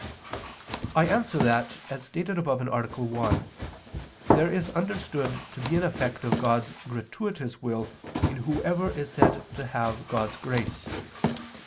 I answer that, As stated above (A. 1), there is understood to be an effect of God's gratuitous will in whoever is said to have God's grace.